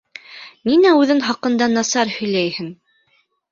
Ниңә үҙең хаҡында насар һөйләйһең?